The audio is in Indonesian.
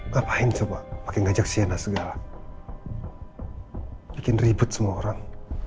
ngapain coba pakai ngajak siana segala bikin ribet semua orang